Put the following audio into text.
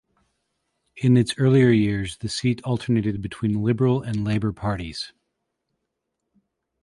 In its earlier years the seat alternated between Liberal and Labour parties.